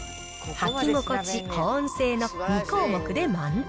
履き心地、保温性の２項目で満点。